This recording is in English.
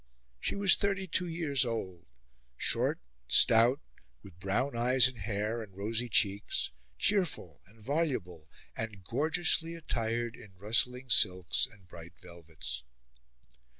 She was thirty two years old short, stout, with brown eyes and hair, and rosy cheeks, cheerful and voluble, and gorgeously attired in rustling silks and bright velvets.